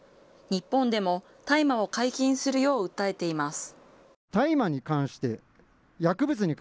日本でも大麻を解禁するよう訴えています。